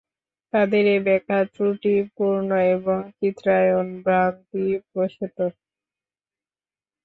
তাদের এ ব্যাখ্যা ত্রুটিপূর্ণ এবং এ চিত্রায়ন ভ্রান্তি-প্রসূত।